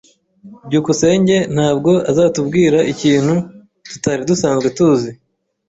byukusenge ntabwo azatubwira ikintu tutari dusanzwe tuzi.